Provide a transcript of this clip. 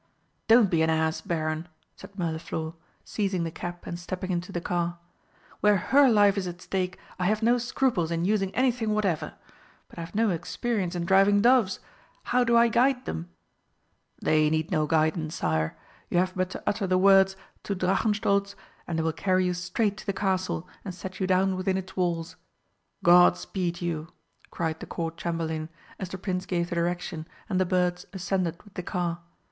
"Don't be an ass, Baron!" said Mirliflor, seizing the cap and stepping into the car. "Where her life is at stake I have no scruples in using anything whatever. But I've no experience in driving doves how do I guide them?" "They need no guidance, Sire. You have but to utter the words 'To Drachenstolz,' and they will carry you straight to the Castle and set you down within its walls. God speed you!" cried the Court Chamberlain, as the Prince gave the direction, and the birds ascended with the car.